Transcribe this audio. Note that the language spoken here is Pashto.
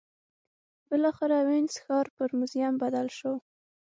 بالاخره وینز ښار پر موزیم بدل شو.